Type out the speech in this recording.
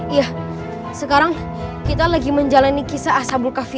iya sekarang kita lagi menjalani kisah ashabulkafi